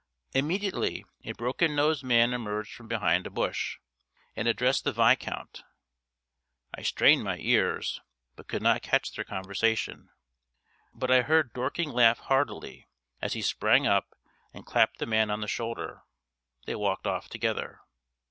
Immediately a broken nosed man emerged from behind a bush, and addressed the Viscount. I strained my ears, but could not catch their conversation, but I heard Dorking laugh heartily, as he sprang up and clapped the man on the shoulder. They walked off together.